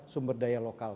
sumber daya lokal